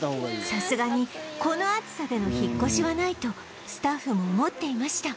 さすがにこの暑さでの引っ越しはないとスタッフも思っていました